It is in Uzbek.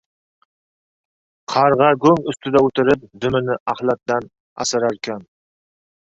• Qarg‘a go‘ng ustida o‘tirib, dumini axlatdan asrarkan.